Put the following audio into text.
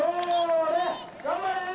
頑張れ！